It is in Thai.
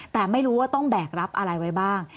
แต่ไม่รู้ว่าต้องแบกรับอะไรไว้บ้าง